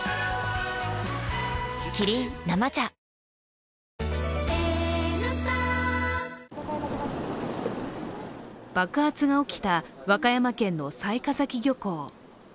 キリン「生茶」爆発が起きた和歌山県の雑賀崎漁港。